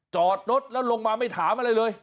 จอดรถแล้วลงมาไม่ถามอะไรเลย